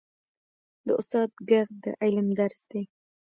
د استاد ږغ د علم درس دی.